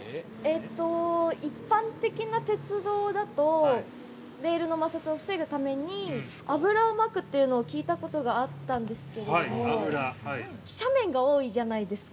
一般的な鉄道だとレールの摩擦を防ぐために油をまくっていうのを聞いたことがあったんですけども斜面が多いじゃないですか